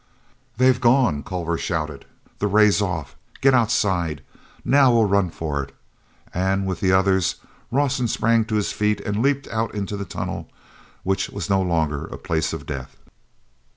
"They've gone!" Culver shouted. "The ray's off. Get outside! Now we'll run for it!" And, with the others, Rawson sprang to his feet and leaped out into the tunnel which was no longer a place of death.